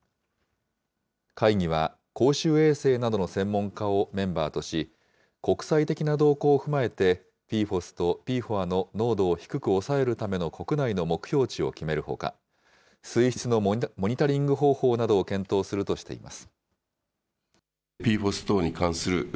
会議は、公衆衛生などの専門家をメンバーとし、国際的な動向を踏まえて、ＰＦＯＳとＰＦＯＡの濃度を低く抑えるための国内の目標値を決めるほか、水質のモニタリング方法などを検討するとしています。